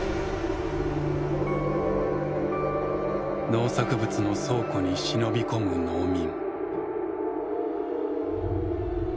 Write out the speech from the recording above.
農作物の倉庫に忍び込む農民。